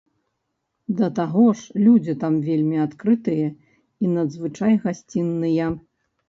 Да таго ж, людзі там вельмі адкрытыя і надзвычай гасцінныя.